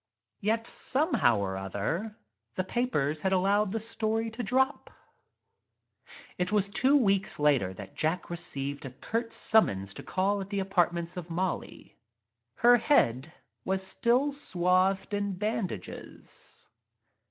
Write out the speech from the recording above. Yet, somehow or other the papers had allowed the story to drop — It was two weeks later that Jack received a curt summons to call at the apartments of Molly, head was still swathed in bandages.